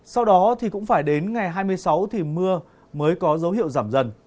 sau đó thì cũng phải đến ngày hai mươi sáu thì mưa mới có dấu hiệu giảm dần